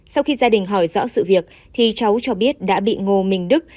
sau khi gia đình hỏi rõ sự việc thì cháu cho biết đã bị ngô minh đức